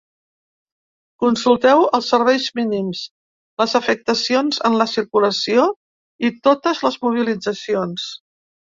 Consulteu els serveis mínims, les afectacions en la circulació i totes les mobilitzacions.